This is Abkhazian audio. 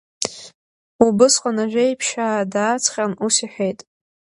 Убысҟан Ажәеԥшьаа дааҵҟьан ус иҳәеит…